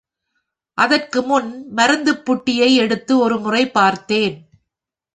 அதற்கு முன் மருந்துப்புட்டியை எடுத்து ஒருமுறை பார்த்தேன்.